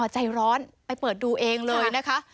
ใจร้อนไปเปิดดูเองเลยนะคะ